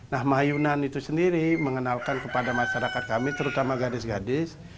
nah mayunan itu sendiri mengenalkan kepada masyarakat kami terutama gadis gadis